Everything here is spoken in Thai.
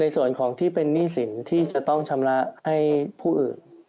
ส่วนของที่เป็นหนี้สินที่จะต้องชำระให้ผู้อื่น